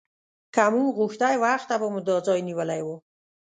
که موږ غوښتی وخته به مو دا ځای نیولی و.